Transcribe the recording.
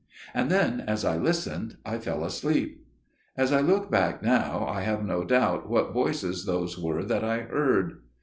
And then as I listened I fell asleep. As I look back now, I have no doubt what voices those were that I heard.